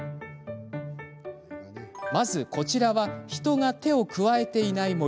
まずこちらは人が手を加えていない森。